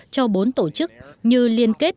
cho bốn tổ chức như liên kết